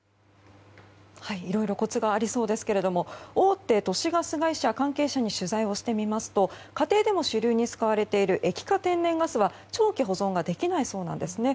いろいろコツがありそうですけども大手都市ガス会社関係者に取材をしてみますと家庭でも主流に使われている液化天然ガスは長期保存ができないそうなんですね。